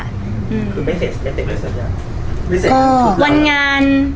คือไม่เสร็จเลยสักอย่าง